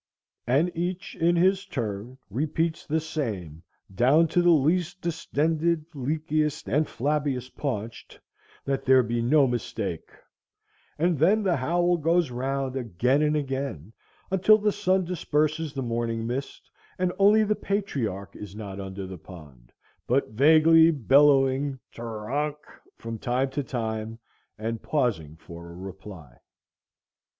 _ and each in his turn repeats the same down to the least distended, leakiest, and flabbiest paunched, that there be no mistake; and then the bowl goes round again and again, until the sun disperses the morning mist, and only the patriarch is not under the pond, but vainly bellowing troonk from time to time, and pausing for a reply.